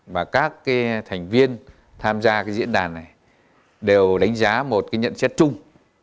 và các thành viên tham gia diễn đàn này đều đánh giá một nhận xét chung